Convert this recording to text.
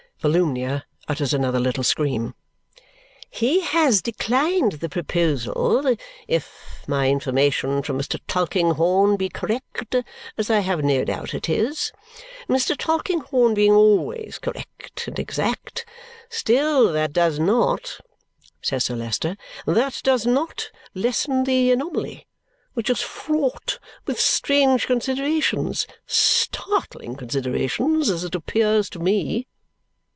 Volumnia utters another little scream. "He has declined the proposal, if my information from Mr. Tulkinghorn be correct, as I have no doubt it is. Mr. Tulkinghorn being always correct and exact; still that does not," says Sir Leicester, "that does not lessen the anomaly, which is fraught with strange considerations startling considerations, as it appears to me."